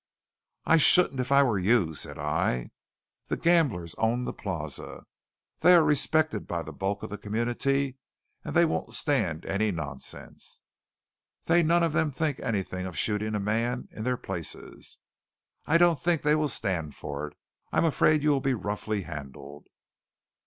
"I shouldn't, if I were you," said I. "The gamblers own the Plaza; they are respected by the bulk of the community; and they won't stand any nonsense. They none of them think anything of shooting a man in their places. I don't think they will stand for it. I am afraid you will be roughly handled."